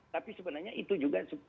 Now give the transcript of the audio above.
tapi sebenarnya itu juga